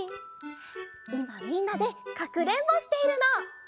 いまみんなでかくれんぼしているの。